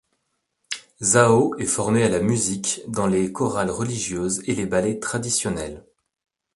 Zao est formé à la musique dans les chorales religieuses et les ballets traditionnels.